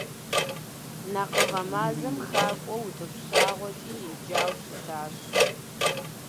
Накъыгъэ мазэм хакӀуэ утӀыпщыгъуэкӀи еджэу щытащ.